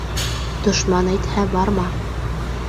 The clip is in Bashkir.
Дошман әйтһә барма.